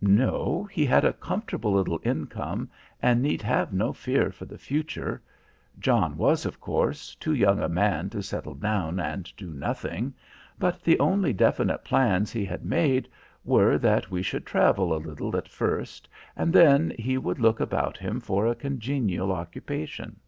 "No; he had a comfortable little income and need have no fear for the future. John was, of course, too young a man to settle down and do nothing. But the only definite plans he had made were that we should travel a little at first, and then he would look about him for a congenial occupation.